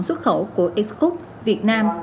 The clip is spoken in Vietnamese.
xuất khẩu của ac cook việt nam